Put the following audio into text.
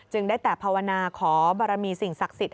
ได้แต่ภาวนาขอบารมีสิ่งศักดิ์สิทธิ